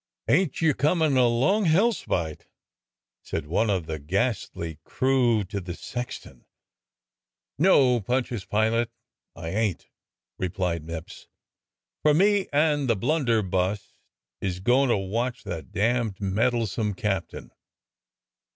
"Ain't you coming along, Hellspite?" said one of the ghastly crew to the sexton. "No, Pontius Pilate, I ain't," replied Mipps, "for me and the blunderbuss is a goin' to watch that damned meddlesome captain."